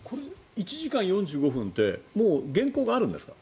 １時間４５分って原稿があるんですか？